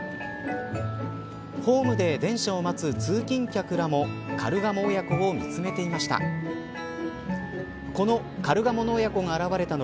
ホームで電車を待つ通勤客らもカルガモ親子を見つめていました。